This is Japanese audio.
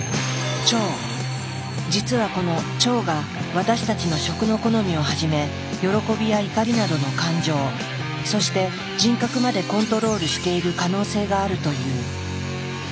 実はこの腸が私たちの食の好みをはじめ喜びや怒りなどの感情そして人格までコントロールしている可能性があるという。